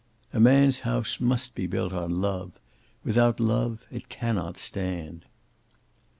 A man's house must be built on love. Without love it can not stand.